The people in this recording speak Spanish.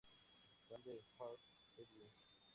Van de Haar, Edwin.